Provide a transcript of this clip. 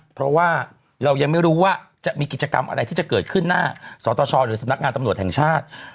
เพราะว่าเรายังไม่รู้ว่าจะมีกิจกรรมอะไรที่จะเกิดขึ้นหน้าสตชหรือสำนักงานตำรวจแห่งชาติ